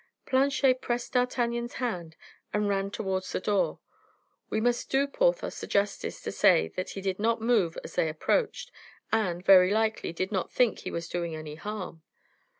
Planchet pressed D'Artagnan's hand, and ran towards the arbor. We must do Porthos the justice to say that he did not move as they approached, and, very likely, he did not think he was doing any harm.